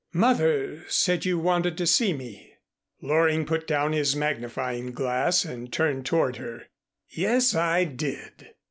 "Mother said you wanted to see me." Loring put down his magnifying glass and turned toward her. "Yes, I did.